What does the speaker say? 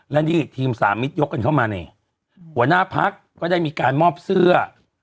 และนี่ทีมสามิตรยกกันเข้ามานี่หัวหน้าพักก็ได้มีการมอบเสื้อ